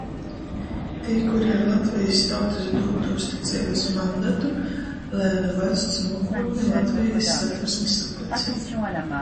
Tī, kuri ar Latvejis tautys dūtu uzticeibys mandatu lēme vaļsts nuokūtni Latvejis Satversmis sapuļcē,